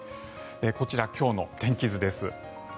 こちら、今日の天気図です。